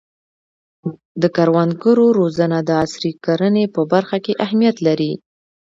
د کروندګرو روزنه د عصري کرنې په برخه کې اهمیت لري.